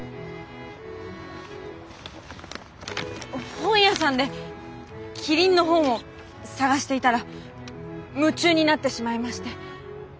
本屋さんでキリンの本を探していたら夢中になってしまいまして。